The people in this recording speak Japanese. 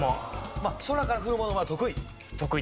空から降るものは得意？